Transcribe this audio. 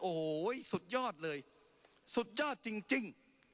โอ้โหสุดยอดเลยสุดยอดจริง